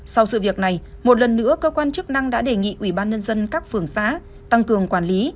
sau sự việc này một lần nữa cơ quan chức năng đã đề nghị ủy ban nhân dân các phường xã tăng cường quản lý